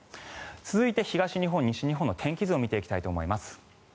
続いて、東日本、西日本の天気図を見ていきたいと思います。